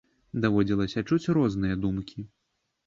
Даводзілася чуць розныя думкі.